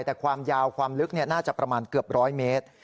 แต่ความยาวความลึกน่าจะประมาณเกือบ๑๐๐เมตร